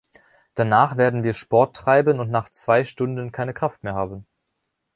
Danach werden wir Sport treiben und nach zwei Stunden keine Kraft mehr haben.